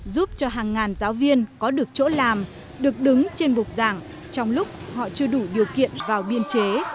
giúp cho hàng ngàn giáo viên có được chỗ làm được đứng trên bục giảng trong lúc họ chưa đủ điều kiện vào biên chế